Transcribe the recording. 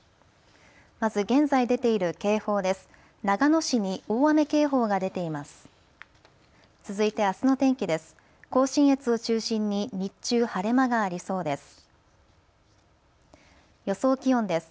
まず現在出ている警報です。